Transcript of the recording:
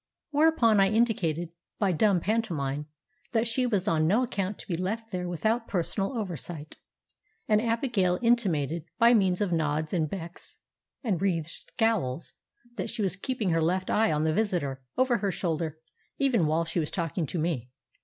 Whereupon I indicated, by dumb pantomime, that she was on no account to be left there without personal oversight; and Abigail intimated, by means of nods and becks and wreathèd scowls, that she was keeping her left eye on the visitor, over her shoulder, even while she was talking to me.